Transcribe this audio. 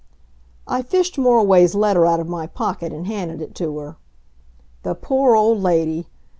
I fished Moriway's letter out of my pocket and handed it to her. The poor old lady!